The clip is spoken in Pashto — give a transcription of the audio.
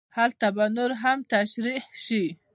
هلته به نور هم تشرېح شي.